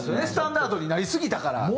スタンダードになりすぎたから。